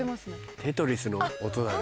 『テトリス』の音だね。